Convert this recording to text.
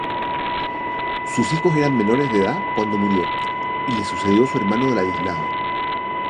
Sus hijos eran menores de edad cuando murió y le sucedió su hermano Ladislao.